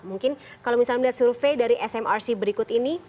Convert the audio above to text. mungkin kalau misalnya melihat survei dari smrc berikut ini